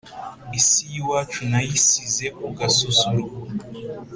isi y’iwacu nayisize ku gasusuruko